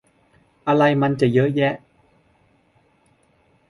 อะไรมันจะเยอะแยะ